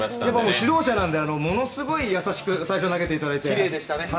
指導者なんでものすごく優しく最初投げていただきました。